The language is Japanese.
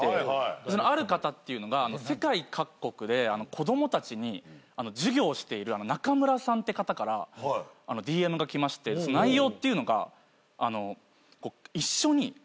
そのある方っていうのが世界各国で子供たちに授業している中村さんって方からＤＭが来まして内容っていうのが一緒にカンボジア行きませんか？